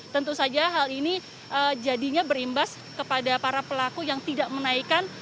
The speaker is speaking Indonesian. tentu saja hal ini jadinya berimbas kepada para pelaku yang tidak menaikkan